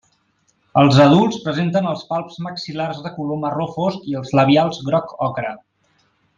Els adults presenten els palps maxil·lars de color marró fosc i els labials groc ocre.